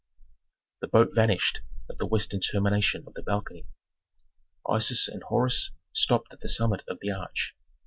The boat vanished at the western termination of the balcony, Isis and Horus stopped at the summit of the arch.